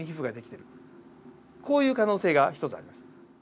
こういう可能性が１つあります。